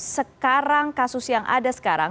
sekarang kasus yang ada sekarang